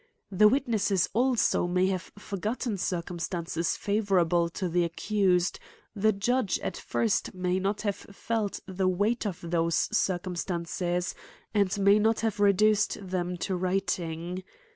The witnesess also may have forgotten circumstances favorable to the accused ; the judge at first may not have felt the weight of thqse circumstances, and may npt have reduced them to writing.